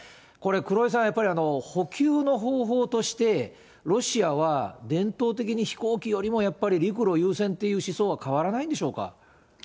これ、黒井さん、補給の方法として、ロシアは、伝統的に飛行機よりもやっぱり陸路優先っていう思想は変わらないんでしょうか。